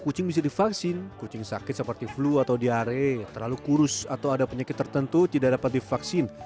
kucing bisa divaksin kucing sakit seperti flu atau diare terlalu kurus atau ada penyakit tertentu tidak dapat divaksin